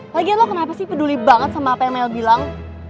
lagian lo kenapa sih peduli banget sama apa yang mel bilang